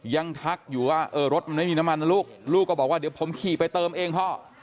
ทักอยู่ว่าเออรถมันไม่มีน้ำมันนะลูกลูกก็บอกว่าเดี๋ยวผมขี่ไปเติมเองพ่อ